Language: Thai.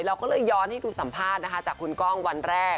เราก็เลยย้อนให้ดูสัมภาษณ์นะคะจากคุณกล้องวันแรก